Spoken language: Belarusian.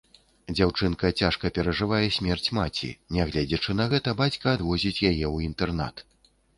Дзяўчынка цяжка перажывае смерць маці, нягледзячы на гэта, бацька адвозіць яе ў інтэрнат.